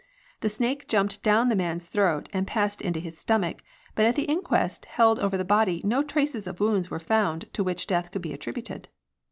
The snake jumped down the man's throat and passed into his stomach, but at the inquest held over the body no traces of wounds were found to which death could be attributed.